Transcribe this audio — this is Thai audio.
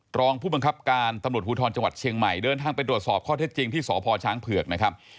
รองผู้บังคับการตำรวจภูทรจังหวัดเชียงใหม่เดินทางไปตรวจสอบข้อเท็จจริงที่สพช้างเผือกนะครับ